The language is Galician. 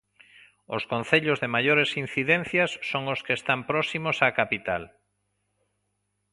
Os concellos de maiores incidencias son os que están próximos á capital.